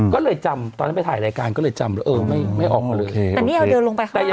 ก็เลยจำตอนนั้นไปถ่ายรายการก็เลยจำเออไม่ไม่ออกมาเลยแต่นี่เอาเดินลงไปข้างนอก